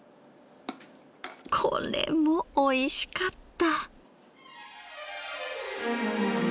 これもおいしかった。